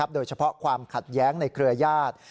โดยเฉพาะความขัดแย้งในเครือญาติ